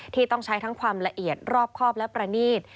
ที่ต้องใช้ทั้งความละเอียดรอบครอบและประนีต